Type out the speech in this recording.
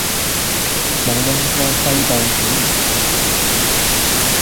無論個世道幾唔好